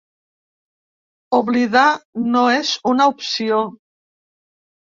Oblidar no és una opció.